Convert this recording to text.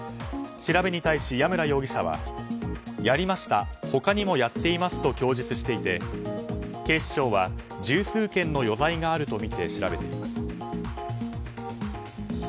調べに対しヤムラ容疑者はやりました他にもやっていますと供述していて警視庁は十数件の余罪があるとみて調べています。